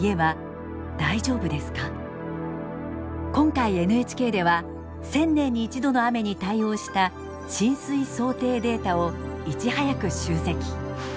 今回ＮＨＫでは１０００年に１度の雨に対応した浸水想定データをいち早く集積。